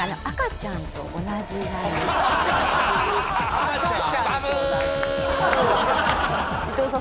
赤ちゃん？